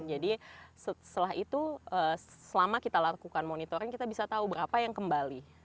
jadi setelah itu selama kita lakukan monitoring kita bisa tahu berapa yang kembali